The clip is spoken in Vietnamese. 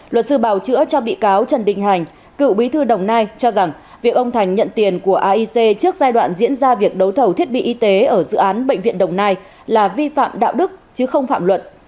luật sư bảo chữa cho bị cáo trần đình hành cựu bí thư đồng nai cho rằng việc ông thành nhận tiền của aic trước giai đoạn diễn ra việc đấu thầu thiết bị y tế ở dự án bệnh viện đồng nai là vi phạm đạo đức chứ không phạm luận